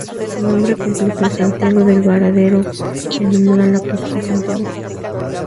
Su nombre completo es Santiago del Baradero en honor al Apóstol Santiago.